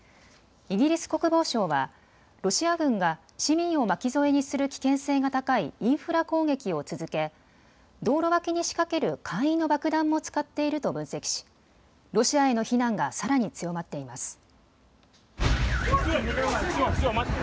イギリス国防省はロシア軍が市民を巻き添えにする危険性が高いインフラ攻撃を続け道路脇に仕掛ける簡易の爆弾も使っていると分析しロシアへの非難がさらに強まっています。